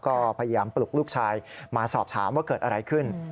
ก็พยายามปลุกลูกชายมาสอบถามว่าเกิดอะไรขึ้น